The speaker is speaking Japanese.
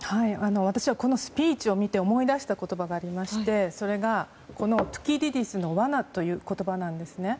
私はこのスピーチを見て思い出した言葉がありましてそれがトゥキディデスの罠という言葉なんです。